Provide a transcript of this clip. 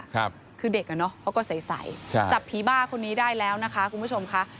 คือเด็กอ่ะเนอะเขาก็ใสใช่จับผีบ้าคนนี้ได้แล้วนะคะคุณผู้ชมค่ะ